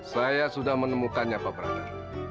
saya sudah menemukannya pak prana